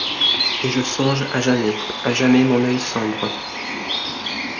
Et je songe à jamais ! à jamais mon œil sombre